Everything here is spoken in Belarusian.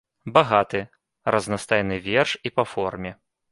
Багаты, разнастайны верш і па форме.